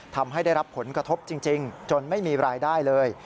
ทำให้ได้รับผลกระทบจริงจนไม่มีรายได้เลย